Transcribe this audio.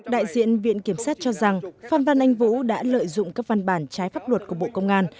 đại diện viện kiểm sát cho rằng phan văn anh vũ đã lợi dụng các văn bản trái pháp luật của bộ công an